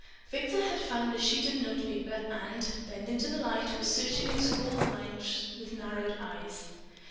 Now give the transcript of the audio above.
Victor had found a sheet of notepaper and, bending to the light, was searching its scrawled lines with narrowed eyes.